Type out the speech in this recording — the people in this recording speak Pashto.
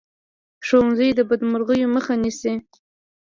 ښوونځی د بدمرغیو مخه نیسي